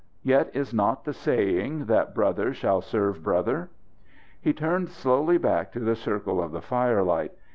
Yet is not the saying that brother shall serve brother?" He turned slowly back to the circle of the firelight.